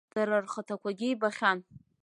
Дара рхаҭақәагьы ибахьан.